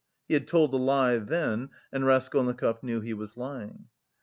He had told a lie then, and Raskolnikov knew he was lying.